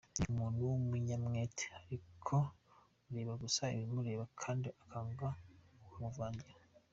Ni umuntu w’umunyamwete ariko ureba gusa ibimureba kandi akanga uwamuvangira.